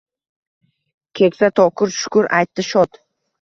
Keksa Tokur shukr aytdi shod